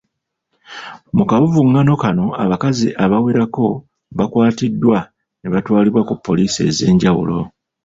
Mukavuvungano kano abakazi abawerako bakwatiddwa ne batwalibwa ku poliisi ez'enjawulo.